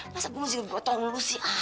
masa gue masih kebotol lo sih